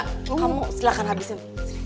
kamu silahkan habisin